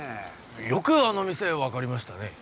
よくあの店分かりましたね